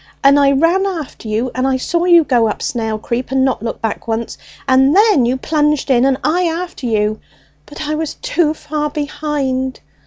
and I ran after you, and I saw you go up Snail Creep and not look back once, and then you plunged in, and I after you; but I was too far behind.